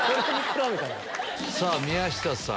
さぁ宮下さん。